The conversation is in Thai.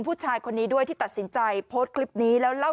ผู้ชายคนนี้ด้วยที่ตัดสินใจโพสต์คลิปนี้แล้วเล่า